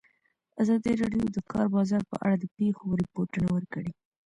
ازادي راډیو د د کار بازار په اړه د پېښو رپوټونه ورکړي.